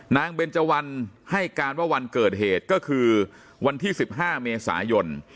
นางเบรจวัลให้การว่าวันเกิดเหตุก็คือวันที่สิบห้าเมษายน